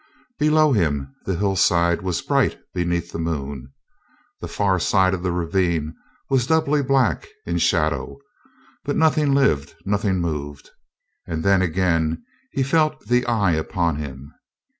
Below him the hillside was bright beneath the moon. The far side of the ravine was doubly black in shadow. But nothing lived, nothing moved. And then again he felt the eye upon him.